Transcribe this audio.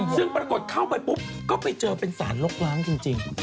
ซึ่งปรากฏเข้าไปปุ๊บก็ไปเจอเป็นสารลกล้างจริง